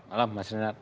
malam mas renat